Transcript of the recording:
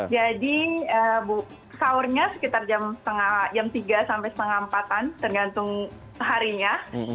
jadi sahurnya sekitar jam tiga sampai empat tergantung harinya